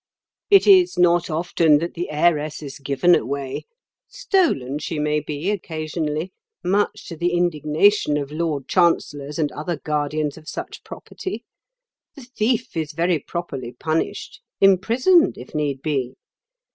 It is not often that the heiress is given away; stolen she may be occasionally, much to the indignation of Lord Chancellors and other guardians of such property; the thief is very properly punished—imprisoned, if need be.